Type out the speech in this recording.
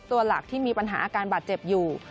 หลักที่มีปัญหาอาการบาดเจ็บอยู่